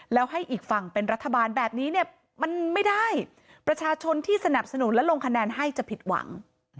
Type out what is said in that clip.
แล้วให้อีกฝั่งเป็นรัฐบาลแบบนี้เนี่ยมันไม่ได้ประชาชนที่สนับสนุนและลงคะแนนให้จะผิดหวัง